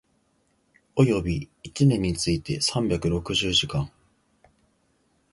及び一年について三百六十時間